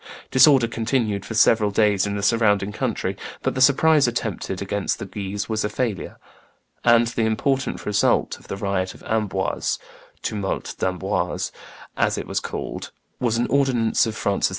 Disorder continued for several days in the surrounding country; but the surprise attempted against the Guises was a failure, and the important result of the riot of Amboise (tumulte d'Amboise), as it was called, was an ordinance of Francis II.